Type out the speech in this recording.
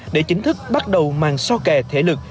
để chính thức bắt đầu mang so kè thể lực